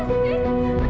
lepasin pak lepasin